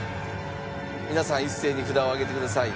皆さん一斉に札を上げてください。